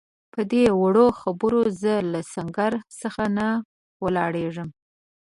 پدې وړو خبرو زه له سنګر څخه نه ولاړېږم.